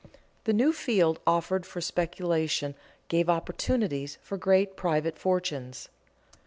The new field offered for speculation gave opportunities for great private fortunes.